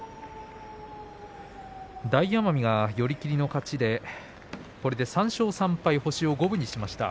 大奄美が、寄り切りの勝ちでこれで３勝３敗星を五分に戻しました。